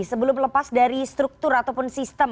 sebelum lepas dari struktur ataupun sistem